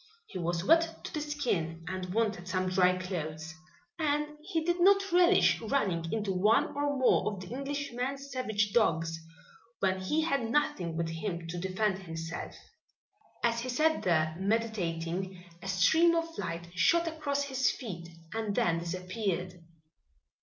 He was wet to the skin and wanted some dry clothes, and he did not relish running into one or more of the Englishman's savage dogs, when he had nothing with which to defend himself. As he sat there meditating, a stream of light shot across his feet and then disappeared.